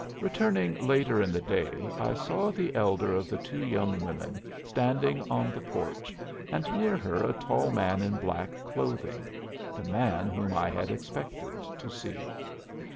Returning later in the day I saw the elder of the two young women standing on the porch and near her a tall man in black clothing the man whom I had expected to see.